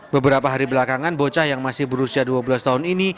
beberapa hari belakangan bocah yang masih berusia dua belas tahun ini